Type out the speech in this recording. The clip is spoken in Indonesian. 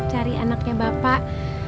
cari anaknya bapak